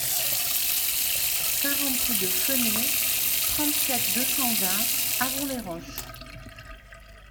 quarante rue de Feunet, trente-sept, deux cent vingt, Avon-les-Roches